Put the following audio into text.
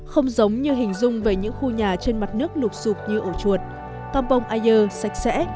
không giống như hình dung về những khu nhà trên mặt nước lục xụp như ổ chuột campong ayer sạch sẽ